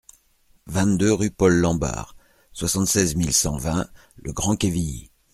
vingt-deux rue Paul Lambard, soixante-seize mille cent vingt Le Grand-Quevilly